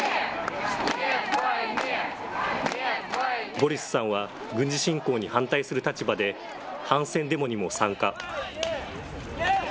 ボリスさんは軍事侵攻に反対する立場で、反戦デモにも参加。